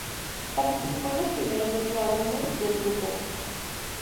Participó en los primeros ocho álbumes del grupo.